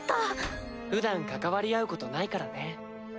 ふだん関わり合うことないからね。